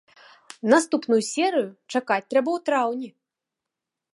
Наступную серыю чакаць трэба ў траўні!